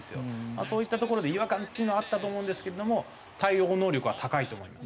そういったところで違和感っていうのはあったと思うんですけれども対応能力は高いと思います。